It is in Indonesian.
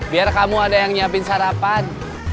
biar kamu ada yang nyiapin sarapan